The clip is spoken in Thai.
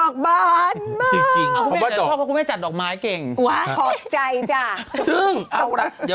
เขาไม่ชอบเพราะคุณพี่จัดดอกไม้เก่งขอบใจจ้า